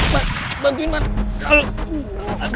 mak bantuin mak